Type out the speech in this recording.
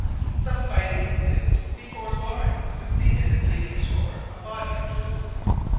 Some fighting ensued before Lawrence succeeded in leading ashore a body of troops.